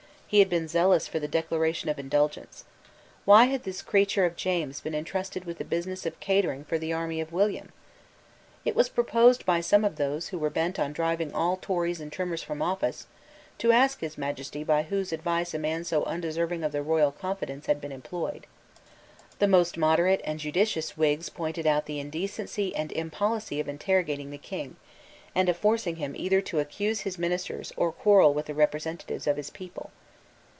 He had been zealous for the Declaration of Indulgence. Why had this creature of James been entrusted with the business of catering for the army of William? It was proposed by some of those who were bent on driving all Tories and Trimmers from office to ask His Majesty by whose advice a man so undeserving of the royal confidence had been employed. The most moderate and judicious Whigs pointed out the indecency and impolicy of interrogating the King, and of forcing him either to accuse his ministers or to quarrel with the representatives of his people.